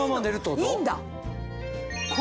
いいんだ？